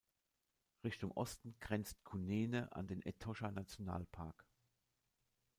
Richtung Osten grenzt Kunene an den Etosha-Nationalpark.